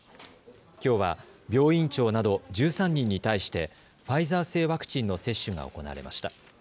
きょうは病院長など１３人に対してファイザー製ワクチンの接種が行われました。